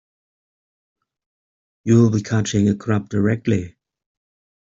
You’ll be catching a crab directly.